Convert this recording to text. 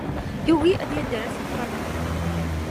Yugi ad d-yader asenfar-nni.